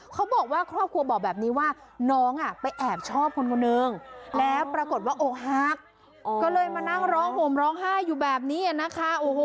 เขาบอกว่าครอบครัวบอกแบบนี้ว่าน้องไปแอบชอบคนคนหนึ่งแล้วปรากฏว่าอกหักก็เลยมานั่งร้องห่มร้องไห้อยู่แบบนี้นะคะ